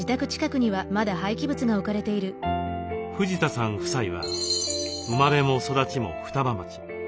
藤田さん夫妻は生まれも育ちも双葉町。